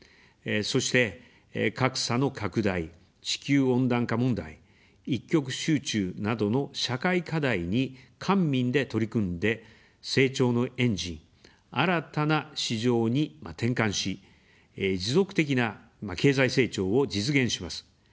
そして、格差の拡大、地球温暖化問題、一極集中などの社会課題に官民で取り組んで、成長のエンジン、新たな市場に転換し、持続的な経済成長を実現します。